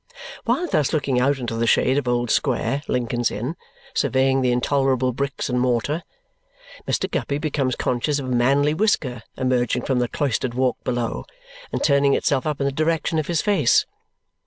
While thus looking out into the shade of Old Square, Lincoln's Inn, surveying the intolerable bricks and mortar, Mr. Guppy becomes conscious of a manly whisker emerging from the cloistered walk below and turning itself up in the direction of his face.